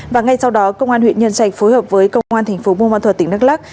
và ngay sau đó công an huyện nhân trạch phối hợp với công an thành phố môn văn thuật tỉnh đắk lắk